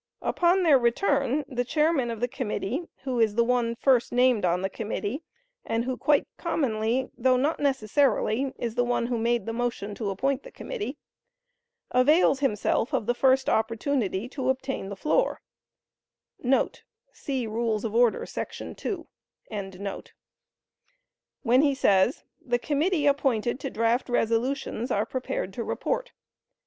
Upon their return the chairman of the committee (who is the one first named on the committee, and who quite commonly, though not necessarily, is the one who made the motion to appoint the committee), avails himself of the first opportunity to obtain the floor,* [See Rules of Order, § 2.] when he says, "The committee appointed to draft resolutions, are prepared to report."